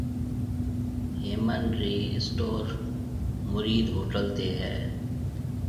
هيَمن رِي اسٽور موريد هوٽل تي هيَ؟